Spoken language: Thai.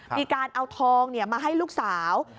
มีการเอาทองมาให้ลูกสาว